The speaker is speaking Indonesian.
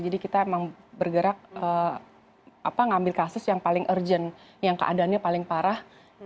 jadi kita memang bergerak mengambil kasus yang paling urgent yang keadaannya paling parah